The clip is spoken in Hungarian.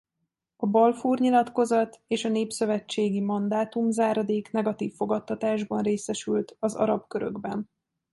A Balfour-nyilatkozat és a népszövetségi mandátum-záradék negatív fogadtatásban részesült az arab körökben.